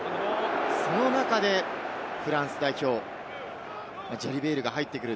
その中でフランス代表、ジャリベールが入ってくる。